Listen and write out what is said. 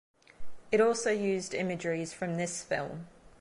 It also used imageries from this film.